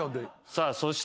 さあそして。